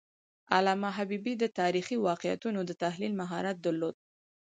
علامه حبیبي د تاریخي واقعیتونو د تحلیل مهارت درلود.